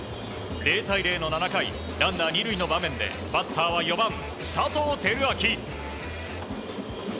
０対０の７回ランナー２塁の場面でバッターは４番、佐藤輝明。